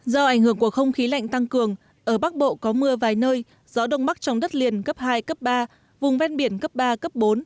do ảnh hưởng của không khí lạnh tăng cường ở bắc bộ có mưa vài nơi gió đông bắc trong đất liền cấp hai cấp ba vùng ven biển cấp ba cấp bốn